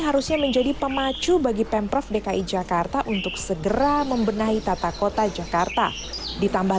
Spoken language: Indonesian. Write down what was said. harusnya menjadi pemacu bagi pemprov dki jakarta untuk segera membenahi tata kota jakarta ditambah